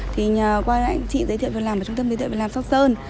thì nhờ qua anh chị giới thiệu việc làm ở trung tâm giới thiệu việc làm sóc sơn